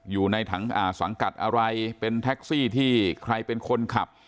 อยู่ในถังสังกัดอะไรเป็นแท็กซี่ที่ใครเป็นคนขับ